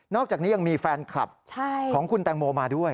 อกจากนี้ยังมีแฟนคลับของคุณแตงโมมาด้วย